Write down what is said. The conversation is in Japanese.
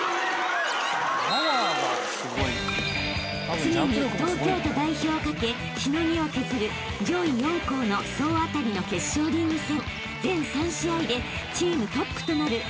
［常に東京都代表を懸けしのぎを削る上位４校の総当たりの決勝リーグ戦］